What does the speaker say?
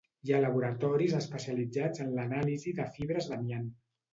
Hi ha laboratoris especialitzats en l'anàlisi de fibres d'amiant.